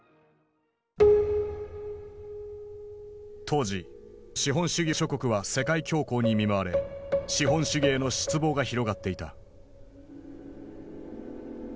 当時資本主義諸国は世界恐慌に見舞われ資本主義への失望が広がっていた。